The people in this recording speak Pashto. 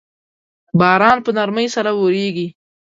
باران په نرمۍ سره اوریږي